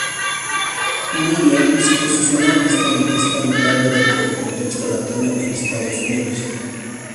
Myriam se posicionó como una artista notable dentro del contexto latino en Estados Unidos.